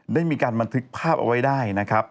ได้มีการบันทึกภาพเอาไว้ได้นะครับ